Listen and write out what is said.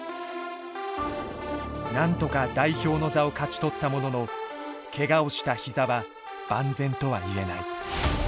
なんとか代表の座を勝ち取ったもののけがをした膝は万全とは言えない。